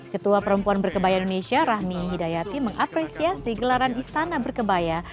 ketua perempuan berkebaya indonesia rahmi hidayati mengapresiasi gelaran istana berkebaya